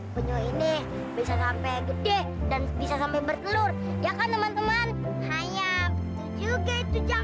penyu ini bisa sampai gede dan bisa sampai bertelur ya kan teman teman hanya tujuh g tujang